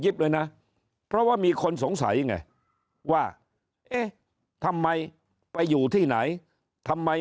เลยนะเพราะว่ามีคนสงสัยไงว่าเอ๊ะทำไมไปอยู่ที่ไหนทำไม